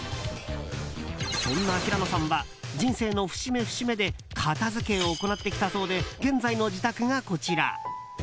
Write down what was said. そんな平野さんは人生の節目節目で片付けを行ってきたそうで現在の自宅がこちら。